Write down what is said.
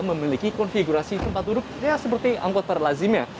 memiliki konfigurasi tempat duduk seperti angkot para lazimnya